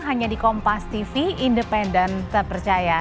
hanya di kompas tv independen terpercaya